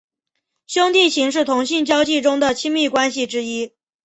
兄弟情是同性交际中的亲密关系之一。